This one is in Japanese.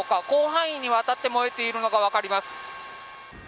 広範囲にわたって燃えているのが分かります。